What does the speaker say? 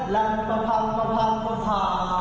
น่าสวยนะ